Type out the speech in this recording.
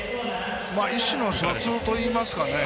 意思の疎通といいますかね。